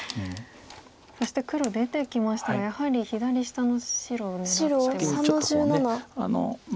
そして黒出てきましたがやはり左下の白を狙ってますか。